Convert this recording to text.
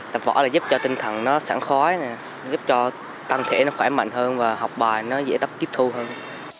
tập võ là giúp cho tinh thần nó sẵn khói giúp cho tăng thể nó khỏe mạnh hơn và học bài nó dễ tấp tiếp thu hơn